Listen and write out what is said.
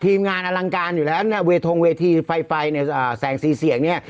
ทีมงานอลังการอยู่แล้วเนี่ยเวทงเวทีไฟเนี่ยแสงสีเสียงเนี่ย